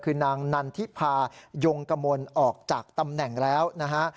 คือนางนันทิพายงกมลออกจากตำแหน่งแล้วนะฮะ